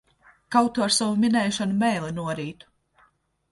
Kaut tu ar savu minēšanu mēli norītu!